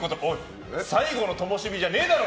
最後のともしびじゃねえだろ。